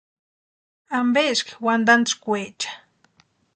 ¿Ampeski wantantskwaecha?